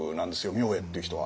明恵っていう人は。